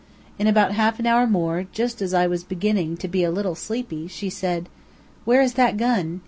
In about half an hour more, just as I was beginning to be a little sleepy, she said: "Where is that gun?"